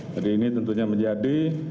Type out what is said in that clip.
jadi ini tentunya menjadi